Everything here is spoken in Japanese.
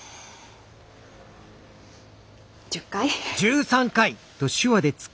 １０回？